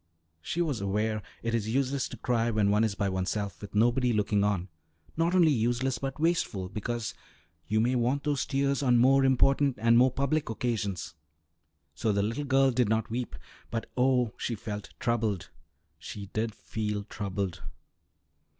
She was aware it is useless to cry when one is by oneself with nobody looking on; not only useless but wasteful, because you may want those tears on more important and more public occasions. So the little girl did not weep, but, oh! she felt troubled. She did feel troubled.